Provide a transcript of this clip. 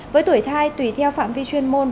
với tuổi thai tùy theo phạm vi chuyên môn